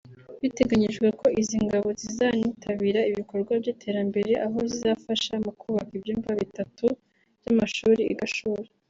Biteganyijwe ko izi ngabo zizanitabira ibikorwa by’iterambere aho zizafasha mu kubaka ibyumba bitatu by’amashuri i Gashora